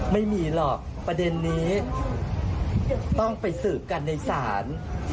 ไม่มีหรอกประเด็นนี้ต้องไปสืบกันในศาล